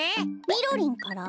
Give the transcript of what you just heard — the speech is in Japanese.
みろりんから？